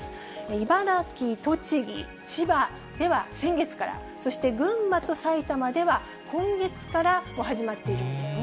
茨城、栃木、千葉では先月から、そして群馬と埼玉では今月から始まっているんですね。